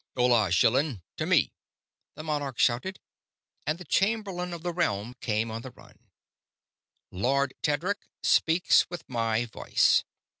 Hola, Schillan, to me!" the monarch shouted, and the Chamberlain of the Realm came on the run. "Lord Tedric speaks with my voice."